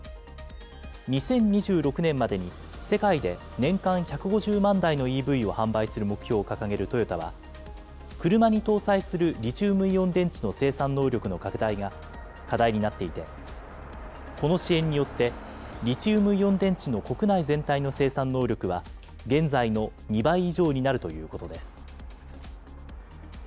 ２０２６年までに世界で年間１５０万台のＥＶを販売する目標を掲げるトヨタは、車に搭載するリチウムイオン電池の生産能力の拡大が課題になっていて、この支援によってリチウムイオン電池の国内全体の生産能力は、現在の２倍以上になるということです。